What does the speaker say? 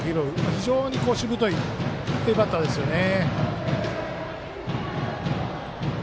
非常にしぶといバッターですね。